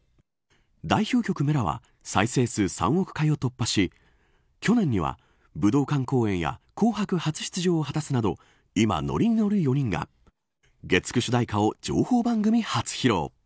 代表曲Ｍｅｌａ！は再生数３億回を突破し去年には武道館公演や紅白初出場を果たすなど今のりに乗る４人が月９主題歌を情報番組、初披露。